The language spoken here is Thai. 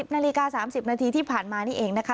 นาฬิกา๓๐นาทีที่ผ่านมานี่เองนะคะ